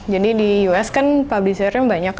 jadi di us kan publishernya banyak